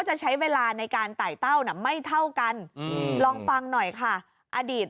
จะใช้เวลาในการไต่เต้าน่ะไม่เท่ากันลองฟังหน่อยค่ะอดีต